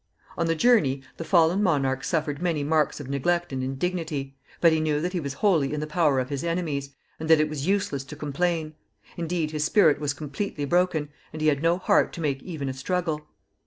On the journey, the fallen monarch suffered many marks of neglect and indignity, but he knew that he was wholly in the power of his enemies, and that it was useless to complain; indeed, his spirit was completely broken, and he had no heart to make even a struggle.